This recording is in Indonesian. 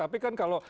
tapi kan kalau